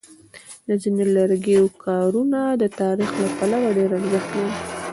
د ځینو لرګیو کارونه د تاریخ له پلوه ډېر ارزښت لري.